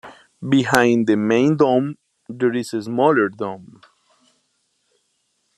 Behind the main dome, there is a smaller dome.